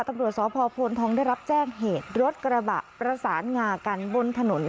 ตำรวจสพโพนทองได้รับแจ้งเหตุรถกระบะประสานงากันบนถนน